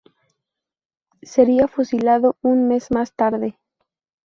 Sería fusilado un mes más tarde.